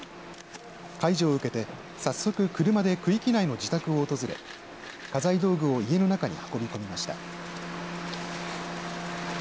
解除を受けて早速、車で区域内の自宅を訪れ、家財道具を家の中に運び込みました。